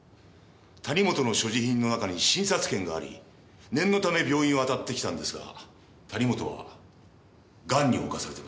谷本の所持品の中に診察券があり念のため病院を当たってきたんですが谷本はガンに侵されていました。